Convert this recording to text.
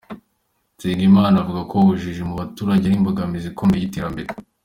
Nsengimana avuga ko ubujiji mu baturage ari imbogamizi ikomeye y’iterambere.